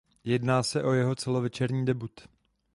Jedná se o jeho celovečerní debut.